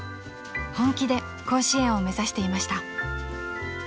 ［本気で甲子園を目指していました］